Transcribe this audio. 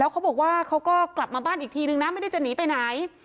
เขาบอกว่าเขาก็กลับมาบ้านอีกทีนึงนะไม่ได้จะหนีไปไหน